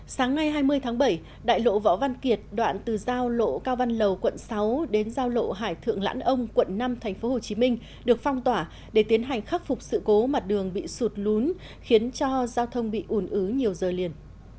sáng nay hai mươi tháng bảy đại lộ võ văn kiệt đoạn từ giao lộ cao văn lầu quận sáu đến giao lộ hải thượng lãn ông quận năm tp hcm được phong tỏa để tiến hành khắc phục sự cố mặt đường bị sụt lún khiến cho giao thông bị ủn ứ nhiều giờ liền